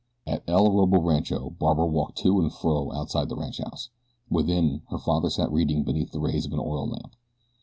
At El Orobo Rancho Barbara walked to and fro outside the ranchhouse. Within her father sat reading beneath the rays of an oil lamp.